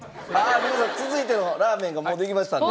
皆さん続いてのラーメンがもうできましたんで。